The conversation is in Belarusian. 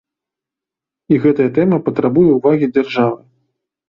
І гэтая тэма патрабуе ўвагі дзяржавы.